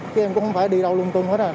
thế em cũng không phải đi đâu lung tung hết à